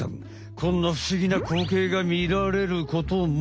こんな不思議な光景が見られることも。